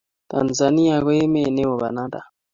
Tanzania ko emet ne won bananda